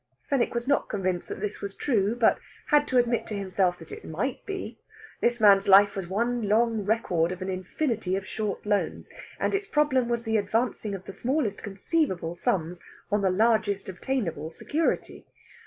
Fenwick was not convinced that this was true, but had to admit to himself that it might be. This man's life was one long record of an infinity of short loans, and its problem was the advancing of the smallest conceivable sums on the largest obtainable security.